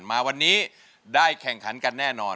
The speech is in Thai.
มาวันนี้ได้แข่งขันกันแน่นอน